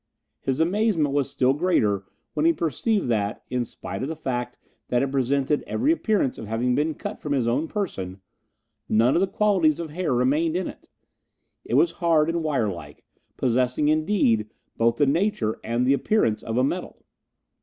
His amazement was still greater when he perceived that in spite of the fact that it presented every appearance of having been cut from his own person none of the qualities of hair remained in it; it was hard and wire like, possessing, indeed, both the nature and the appearance of a metal.